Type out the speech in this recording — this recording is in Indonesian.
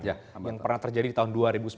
yang pernah terjadi di tahun dua ribu sembilan belas